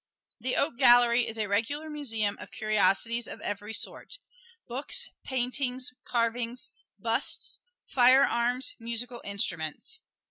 The Oak Gallery is a regular museum of curiosities of every sort books, paintings, carvings, busts, firearms, musical instruments.